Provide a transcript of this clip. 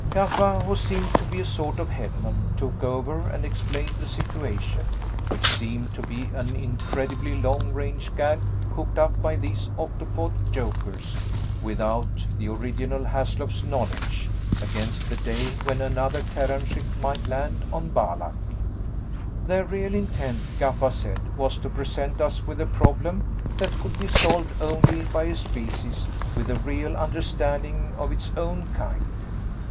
Gaffa, who seemed to be a sort of headman, took over and explained the situation which seemed to be an incredibly long range gag cooked up by these octopod jokers, without the original Haslop's knowledge, against the day when another Terran ship might land on Balak. Their real intent, Gaffa said, was to present us with a problem that could be solved only by a species with a real understanding of its own kind.